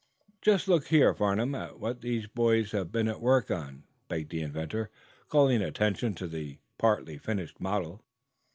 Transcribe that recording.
'" "Just look here, Farnum, at what these boys have been at work on," begged the inventor, calling attention to the partly finished model.